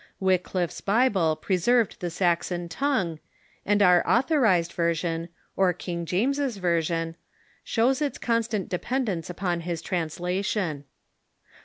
Wycliffe's Bi ble preserved the Saxon tongue, and our Authorized Version, or King James's version, shows its constant dependence upon his translation.